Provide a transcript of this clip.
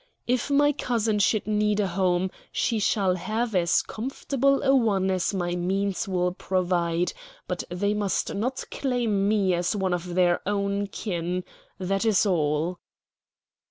If my cousin should need a home, she shall have as comfortable a one as my means will provide. But they must not claim me as one of their own kin. That is all."